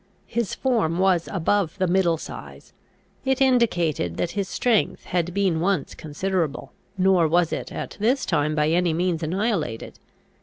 His form was above the middle size. It indicated that his strength had been once considerable; nor was it at this time by any means annihilated.